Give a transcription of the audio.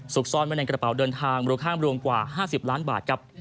สุกซ่อนไว้ในกระเป๋าเดินทางรูข้ามรวมกว่า๕๐ล้านบาท